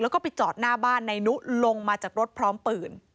แล้วก็ไปจอดหน้าบ้านนายนุลงมาจากรถพร้อมปืน